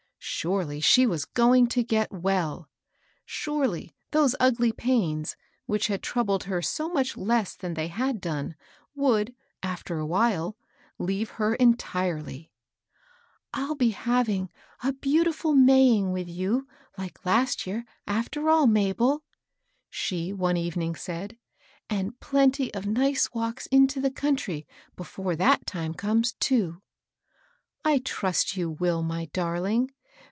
Surely she was going to get well I Surely those ugly pains, which had troubled her so much less than they had done, would, after a while, leave her entirely. " I'll be having a beautiM Maying with you, like last year, after all, Mabel I " she one evening said, " and plenty of nice walks into the country before that time comes, too 1 "" I trust you will, my darling.